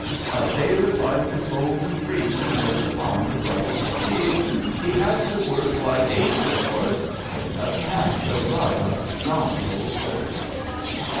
"A sailor's life is bold and free. He lives upon the bright blue sea. He has to work like h , of course, But he doesn't have to ride on a darned old horse."